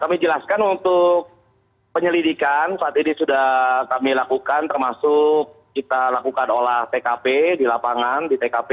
kami jelaskan untuk penyelidikan saat ini sudah kami lakukan termasuk kita lakukan olah tkp di lapangan di tkp